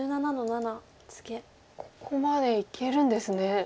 ここまでいけるんですね。